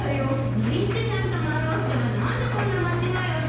ノリスケさんともあろう人が何でこんな間違いをしたのかしら？